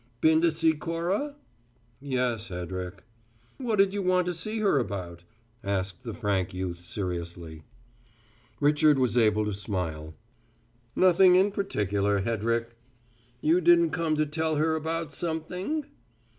"Been to see Cora?" "Yes, Hedrick." "What'd you want to see her about?" asked the frank youth seriously. Richard was able to smile. "Nothing in particular, Hedrick." "You didn't come to tell her about something?"